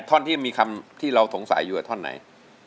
ท่อนที่มีคำที่เราสงสัยอยู่กับท่อนไหน